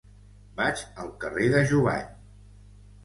Vaig al carrer de Jubany.